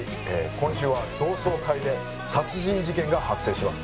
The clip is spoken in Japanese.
今週は同窓会で殺人事件が発生します。